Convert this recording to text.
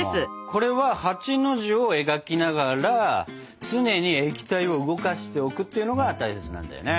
これは８の字を描きながら常に液体を動かしておくっていうのが大切なんだよね。